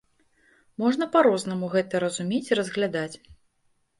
Можна па-рознаму гэта разумець і разглядаць.